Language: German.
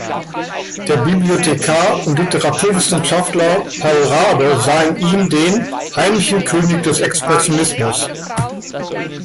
Der Bibliothekar und Literaturwissenschaftler Paul Raabe sah in ihm den „heimlichen König des Expressionismus“.